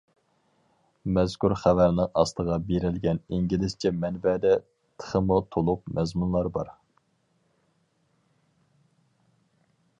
مەزكۇر خەۋەرنىڭ ئاستىغا بېرىلگەن ئىنگلىزچە مەنبەدە تېخىمۇ تولۇق مەزمۇنلار بار.